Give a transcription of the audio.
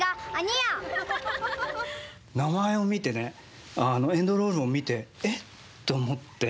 名前を見てねエンドロールも見て「え？」って思って。